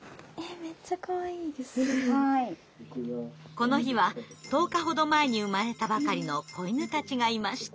この日は１０日ほど前に生まれたばかりの子犬たちがいました。